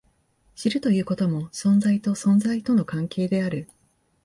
知るということも、存在と存在との関係である。